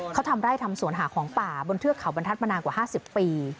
เขาทำไร่ทำสวนหาของป่าบนเทือกเขาบรรทัศมานานกว่า๕๐ปี